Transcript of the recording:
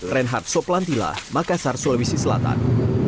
reinhard soplantila makassar sulawesi selatan